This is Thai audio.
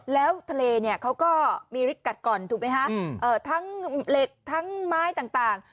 แล้วทะเลเนี่ยเขาก็มีฤทธิกัดก่อนถูกไหมคะทั้งเหล็กทั้งไม้ต่าง